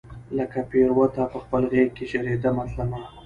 لکه پیروته پخپل غیږ کې ژریدمه تلمه